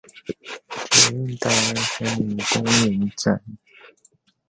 捷運大安森林公園站